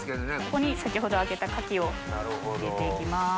ここに先ほど揚げた牡蠣を入れて行きます。